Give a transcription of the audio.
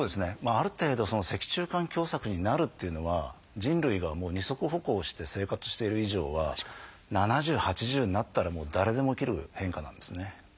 ある程度脊柱管狭窄になるというのは人類が二足歩行をして生活している以上は７０８０になったら誰でも起きる変化なんですね。